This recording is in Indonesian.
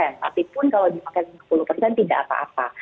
tapi pun kalau dipakai lima puluh tidak apa apa